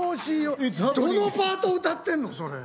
どのパート歌ってんのそれ。